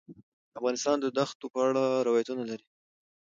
افغانستان د دښتو په اړه روایتونه لري.